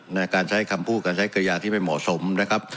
ในการใช้คำพูดการใช้กระยาที่ไม่เหมาะสมนะครับ